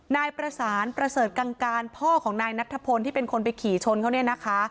นายประสานประเสริฐกังการพ่อของนายนัทธพลที่เป็นคนไปขี่ชนเขาเนี่ยนะคะ